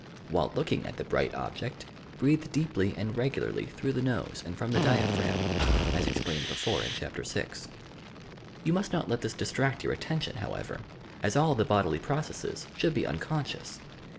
While looking at the bright object, breathe deeply and regularly through the nose and from the diaphragm, as explained before in Chapter VI. Tou must not let this distract your attention, however, as all the bodily processes should be unconscious.